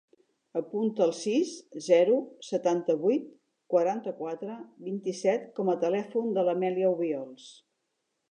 Apunta el sis, zero, setanta-vuit, quaranta-quatre, vint-i-set com a telèfon de l'Amèlia Obiols.